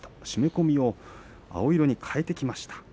締め込みを青色にかえてきました。